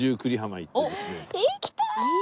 行きたい！